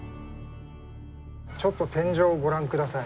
ちょっと天井をご覧下さい。